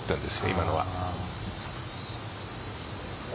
今のは。